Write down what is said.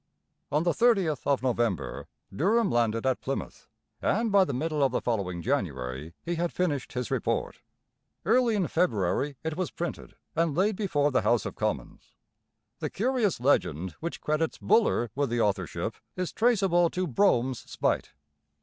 On the thirtieth of November Durham landed at Plymouth, and by the middle of the following January he had finished his Report. Early in February it was printed and laid before the House of Commons. The curious legend which credits Buller with the authorship is traceable to Brougham's spite.